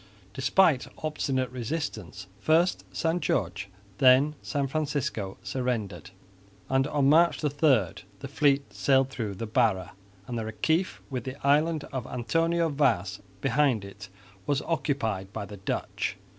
Despite obstinate resistance, first San Jorge, then San Francisco surrendered; and on March 3 the fleet sailed through the Barra, and the Reciff with the island of Antonio Vaz behind it was occupied by the Dutch.